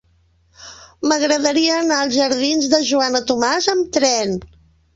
M'agradaria anar als jardins de Joana Tomàs amb tren.